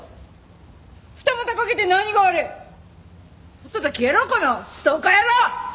とっとと消えろこのストーカー野郎！